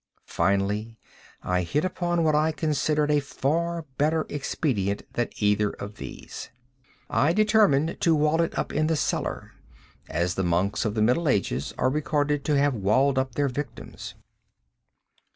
Finally I hit upon what I considered a far better expedient than either of these. I determined to wall it up in the cellar—as the monks of the middle ages are recorded to have walled up their victims.